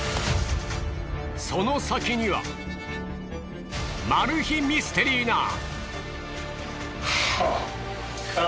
その先にはマル秘ミステリーな。